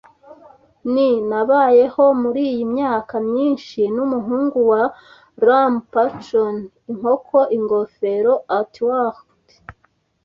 ni. Nabayeho muriyi myaka myinshi, numuhungu wa rum puncheon inkoko ingofero athwart